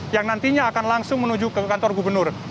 yang nantinya akan langsung menuju ke kantor gubernur